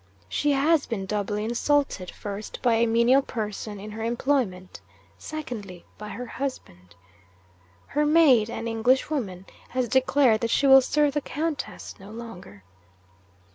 She has been doubly insulted first, by a menial person in her employment; secondly, by her husband. Her maid, an Englishwoman, has declared that she will serve the Countess no longer.